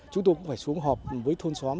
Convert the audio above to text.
chúng tôi cũng phải xuống họp với thôn xóm